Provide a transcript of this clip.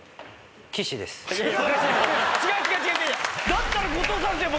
だったら後藤さんっすよ